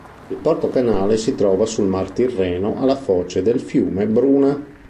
Il porto-canale si trova sul mar Tirreno alla foce del fiume Bruna.